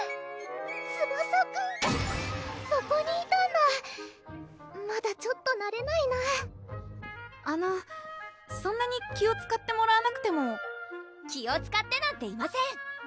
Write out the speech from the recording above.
ツバサくんそこにいたんだまだちょっとなれないなあのそんなに気をつかってもらわなくても気をつかってなんていません！